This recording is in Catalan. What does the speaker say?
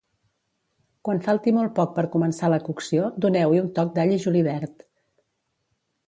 Quan falti molt poc per començar la cocció, doneu-hi un toc d'all i julivert.